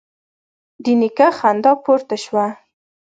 د نيکه خندا پورته شوه: